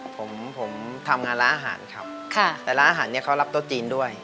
ผมผมทำงานร้านอาหารครับค่ะแต่ร้านอาหารเนี่ยเขารับโต๊ะจีนด้วย